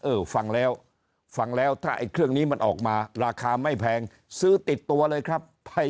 เออฟังแล้วฟังแล้วถ้าไอ้เครื่องนี้มันออกมาราคาไม่แพงซื้อติดตัวเลยครับ